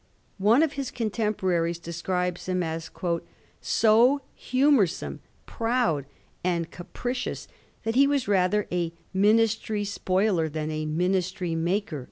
One of his contemporaries describes him as * so humoursome, proud, and capricious, that he was rather a ministry spoiler than a ministry maker.'